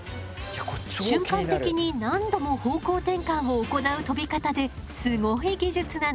瞬間的に何度も方向転換を行う飛び方ですごい技術なの。